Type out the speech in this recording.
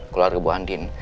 keluar ke bu andi